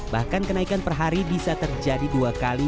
bahkan kenaikan per hari bisa terjadi dua kali